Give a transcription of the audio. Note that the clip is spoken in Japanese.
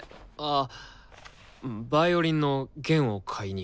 あヴァイオリンの弦を買いに。